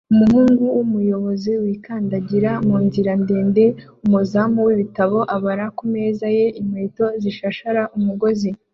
Umuhungu wumuyoboro wikandagira munzira-ndende, umuzamu wibitabo abara kumeza ye, inkweto zishashara umugozi,